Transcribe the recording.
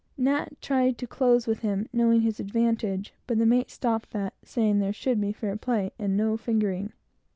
Nat tried to close with him, knowing his advantage, but the mate stopped that, saying there should be fair play, and no fingering.